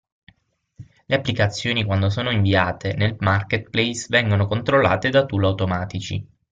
Le applicazioni quando sono inviate nel marketplace vengono controllate da tool automatici.